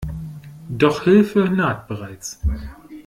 Doch Hilfe naht bereits.